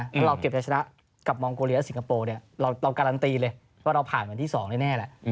ถ้าเราเก็บแพทย์ชนะกับมองโกเลียและสิงคโปร์เราการันตีเลยว่าเราผ่านเป็นที่๒ได้แน่แล้ว